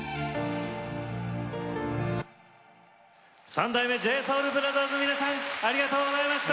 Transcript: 三代目ＪＳＯＵＬＢＲＯＴＨＥＲＳの皆さんありがとうございました。